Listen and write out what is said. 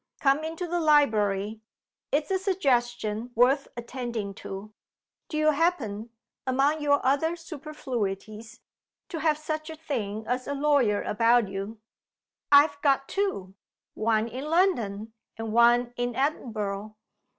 'Come into the library' is a suggestion worth attending to. Do you happen, among your other superfluities, to have such a thing as a lawyer about you?" "I have got two. One in London, and one in Edinburgh."